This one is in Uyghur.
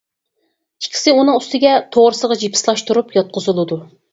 ئىككىسى ئۇنىڭ ئۈستىگە توغرىسىغا جىپسىلاشتۇرۇپ ياتقۇزۇلىدۇ.